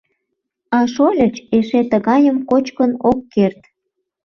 А шольыч эше тыгайым кочкын ок керт.